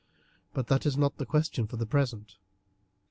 But that is not the question for the present."